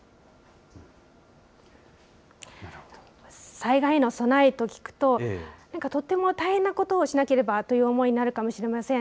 災害への備えと聞くと、何かとっても大変なことをしなければという思いになるかもしれません。